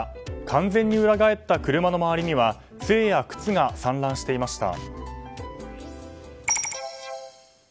完全に裏返った車の周りには杖や靴が散乱していました。